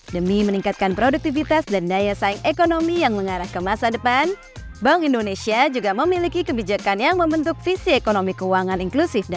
demi meningkatkan produktivitas dan daya saing ekonomi yang mengarah ke masa depan bank indonesia juga memiliki kebijakan yang membentuk visi ekonomi keuangan inklusif